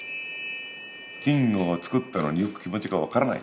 金魚を作ったのによく気持ちが分からない。